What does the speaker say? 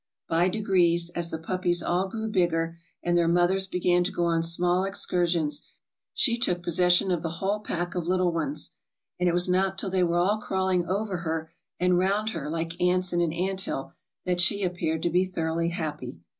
By degrees, as the puppies all grew bigger, and their mothers began to go on small ex cursions, she took possession of the whole pack of little ones, and it was not till they were all crawling over her and round her, like ants in an anthill, that she appeared to be thoroughly happy.